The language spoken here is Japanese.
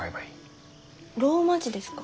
ローマ字ですか？